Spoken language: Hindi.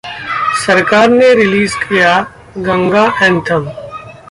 सरकार ने रिलीज किया गंगा एंथम